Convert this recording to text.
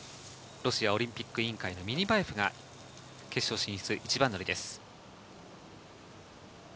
ロシアオリンピック委員会のミニバエフが、決勝進出、一番乗りです。